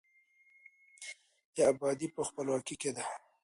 د آبادي په، خپلواکۍ کې ده.